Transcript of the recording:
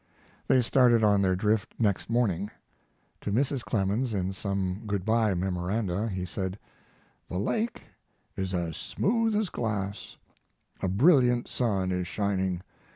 They started on their drift next morning. To Mrs. Clemens, in some good by memoranda, he said: The lake is as smooth as glass; a brilliant sun is shining.